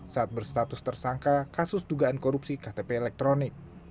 saat berstatus tersangka kasus dugaan korupsi ktp elektronik